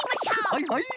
はいはい。